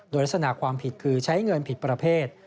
โดยลักษณะความผิดคือใช้เงินผิดประเภท